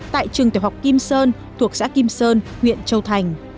tại trường tiểu học kim sơn thuộc xã kim sơn huyện châu thành